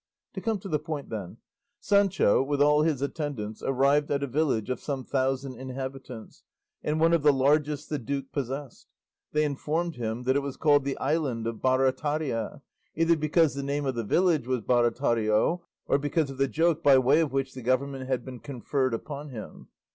To come to the point, then Sancho with all his attendants arrived at a village of some thousand inhabitants, and one of the largest the duke possessed. They informed him that it was called the island of Barataria, either because the name of the village was Baratario, or because of the joke by way of which the government had been conferred upon him.